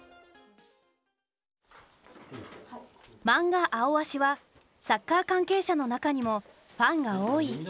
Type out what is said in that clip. マンガ「アオアシ」はサッカー関係者の中にもファンが多い。